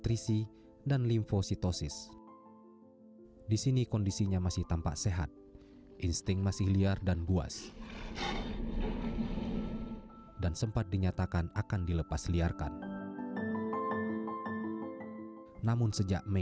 hasil data kita satwa ini setidaknya dua kali meliruati pemukiman warga di jalan utama